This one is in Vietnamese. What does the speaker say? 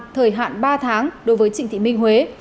thời hạn ba tháng đối với trịnh thị minh huế